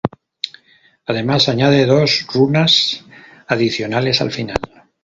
Además añade dos runas adicionales al final.